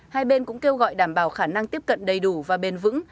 hai bên cũng kêu gọi đảm bảo khả năng tiếp cận đầy đủ và bền vững